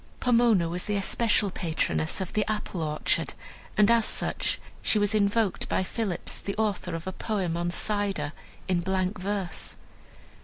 Pomona was the especial patroness of the Apple orchard, and as such she was invoked by Phillips, the author of a poem on Cider, in blank verse.